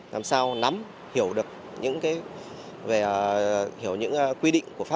làm sao nắm hiểu được những quy định